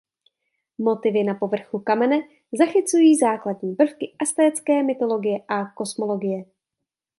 Motivy na povrchu kamene zachycují základní prvky aztécké mytologie a kosmologie.